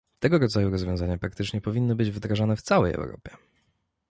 Tego rodzaju rozwiązania praktyczne powinny być wdrażane w całej Europie